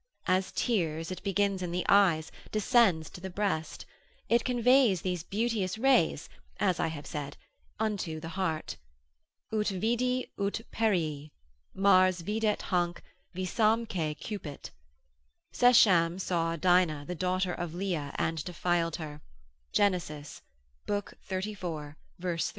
As tears, it begins in the eyes, descends to the breast; it conveys these beauteous rays, as I have said, unto the heart. Ut vidi ut perii. Mars videt hanc, visamque cupit. Schechem saw Dinah the daughter of Leah, and defiled her, Gen. xxxiv. 3.